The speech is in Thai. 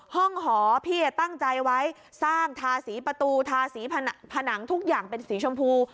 หอพี่ตั้งใจไว้สร้างทาสีประตูทาสีผนังทุกอย่างเป็นสีชมพู